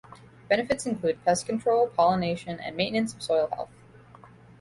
Benefits include pest control, pollination, and maintenance of soil health.